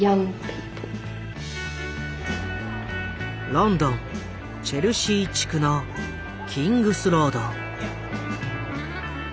ロンドンチェルシー地区のキングスロード。